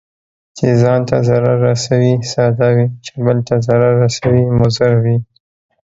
چي ځان ته ضرر رسوي، ساده وي، چې بل ته ضرر رسوي مضر وي.